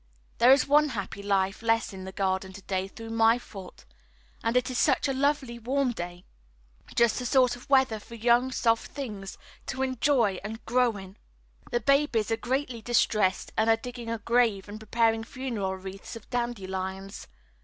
There is one happy life less in the garden to day through my fault, and it is such a lovely, warm day just the sort of weather for young soft things to enjoy and grow in. The babies are greatly distressed, and are digging a grave, and preparing funeral wreaths of dandelions.